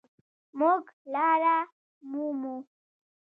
مونږ لاره مومو